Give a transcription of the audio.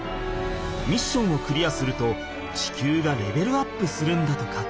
ミッションをクリアすると地球がレベルアップするんだとか。